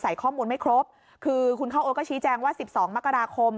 ข้อมูลไม่ครบคือคุณเข้าโอ๊ตก็ชี้แจงว่าสิบสองมกราคม